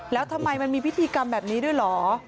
แล้วทำไมมันมีพิธีกรรมแบบนี้ด้วยเหรอ